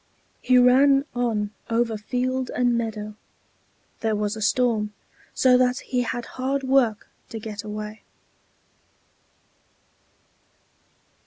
He ran on over field and meadow; there was a storm, so that he had hard work to get away.